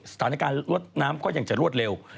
สถานการณ์รถน้ำก็ยังจะรวดเร็ว